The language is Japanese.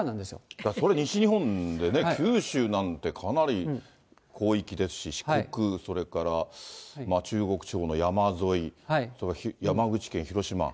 だからそれ、西日本でね、九州なんてかなり広域ですし、四国、それから中国地方の山沿い、それから山口県、広島。